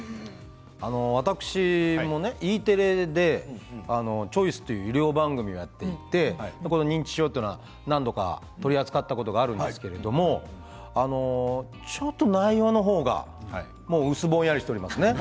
私もＥテレで「チョイス」という医療番組をやっていて認知症というのは何度が取り扱ったことがあるんですけどちょっと内容の方が薄ぼんやりしておりますね